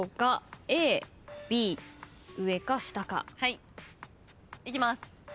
いきます。